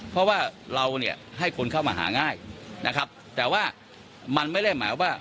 เพราะว่าเราเนี่ยให้คนเข้ามาหาง่ายนะครับแต่ว่ามันไม่ได้หมายว่า